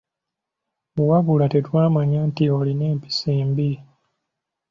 Wabula tetwamanya nti olina empisa embi.